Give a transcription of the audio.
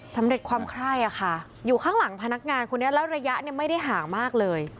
สำเร็จความไคร้อะค่ะอยู่ข้างหลังพนักงานคนนี้แล้วระยะเนี่ยไม่ได้ห่างมากเลย